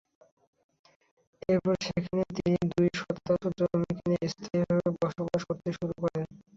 এরপর সেখানে তিনি দুই শতাংশ জমি কিনে স্থায়ীভাবে বসবাস করতে শুরু করেন।